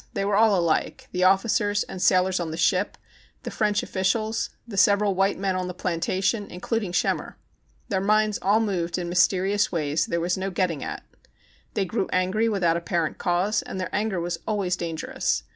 They were all alike ã the officers and sailors on the ship, the French officials, the several white men on the plantation, in cluding Schemmer. Their minds all moved in mysterious ways there was no getting at. They grew angry without apparent cause, and their anger was always dangerous.